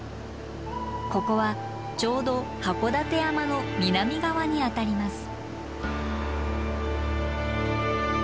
ここはちょうど函館山の南側にあたります。